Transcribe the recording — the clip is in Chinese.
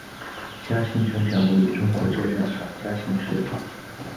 嘉兴城墙位于中国浙江省嘉兴市。